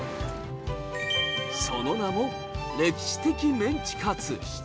その名も歴史的メンチカツ。